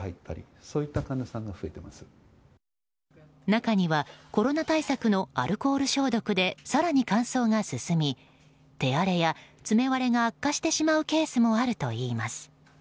中にはコロナ対策のアルコール消毒で更に乾燥が進み手荒れや爪割れが悪化してしまうケースもあるといいます。